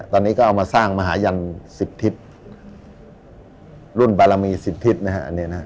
ตอนนี้ก็เอามาสร้างมหาญันสิบทิศรุ่นบารมีสิบทิศนะฮะอันนี้นะฮะ